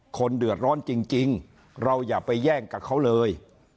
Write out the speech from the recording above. คนเดือดร้อนจริงเราอย่าไปแย่งกับเขาเลย